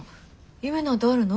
夢なんてあるの？